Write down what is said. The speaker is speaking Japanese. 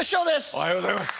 おはようございます。